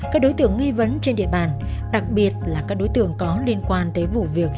các đối tượng nghi vấn trên địa bàn đặc biệt là các đối tượng có liên quan tới vụ việc